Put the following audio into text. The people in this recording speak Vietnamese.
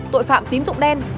tội phạm tín dụng đen